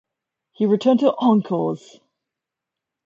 He returned to Encores!